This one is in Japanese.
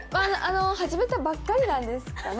始めたばっかりなんですかね。